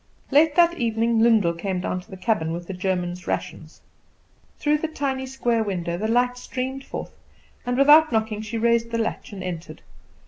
Late that evening Lyndall came down to the cabin with the German's rations. Through the tiny square window the light streamed forth, and without knocking she raised the latch and entered.